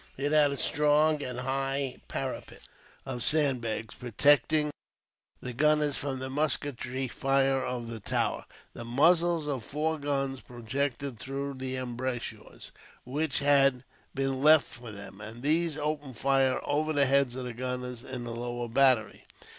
It had a strong and high parapet, of sandbags, protecting the gunners from the musketry fire of the tower. The muzzles of four guns projected through embrasures, which had been left for them, and these opened fire over the heads of the gunners in the lower battery.